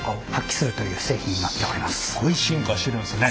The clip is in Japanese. すっごい進化してるんですね。